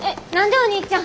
お兄ちゃん。